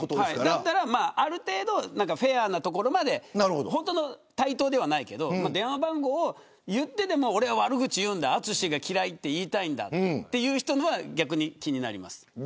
だったら、ある程度フェアなところまで本当の対等ではないけど電話番号を言ってでも俺は悪口を言うんだ淳が嫌いと言いたいんだという人のは逆に気になります。